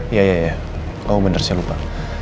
iya iya ya oh benar saya lupa